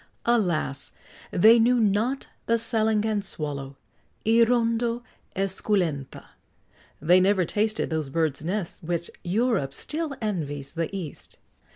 Alas! they knew not the "Salangan swallow," hirundo esculenta; they never tasted those birds' nests which Europe still envies the East.